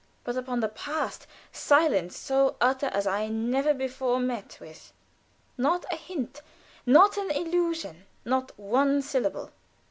But upon the past, silence so utter as I never before met with. Not a hint; not an allusion; not one syllable.